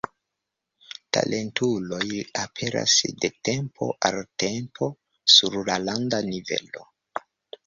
Talentuloj aperas de tempo al tempo sur landa nivelo.